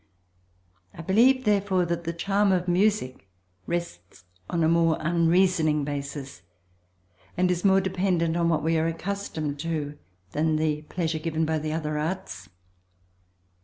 I believe therefore that the charm of music rests on a more unreasoning basis, and is more dependent on what we are accustomed to, than the pleasure given by the other arts.